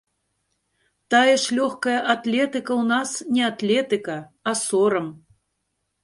Тая ж лёгкая атлетыка ў нас не атлетыка, а сорам.